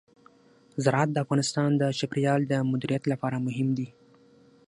زراعت د افغانستان د چاپیریال د مدیریت لپاره مهم دي.